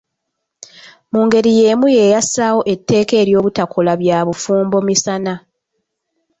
Mu ngeri y’emu ye yassaawo etteeka ery’obutakola bya bufumbo misana.